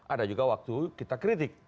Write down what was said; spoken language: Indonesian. ada juga waktu kita kritik